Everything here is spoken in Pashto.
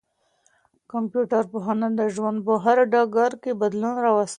کمپيوټر پوهنه د ژوند په هر ډګر کي بدلون راوستی.